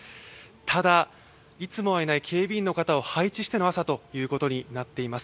ただいつもはいない警備員の方を配置しての朝ということになっています。